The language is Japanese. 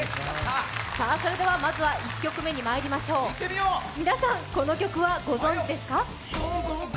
それではまずは１曲目にまいりましょう、皆さん、この曲はご存じですか？